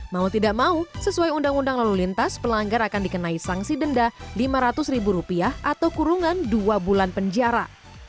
mau tidak mau sesuai undang undang lalu lintas pelanggar akan dikenai sanksi denda lima ratus ribu rupiah atau kurungan dua bulan penjara